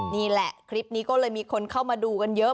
นี่แหละคลิปนี้ก็เลยมีคนเข้ามาดูกันเยอะ